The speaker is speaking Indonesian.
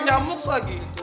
banyak nyamuk lagi